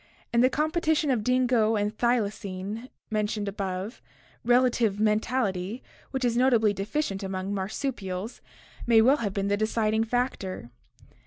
In the competition of dingo and thylacine mentioned above, relative mentality, which is notably deficient among marsupials, may well have been the deciding factor.